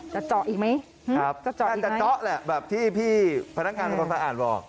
จะเจาะอีกไหมครับจะเจาะอีกไหมจะเจาะแหละแบบที่พี่พนักการพันธ์สะอาดบอก